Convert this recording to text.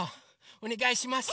おねがいします。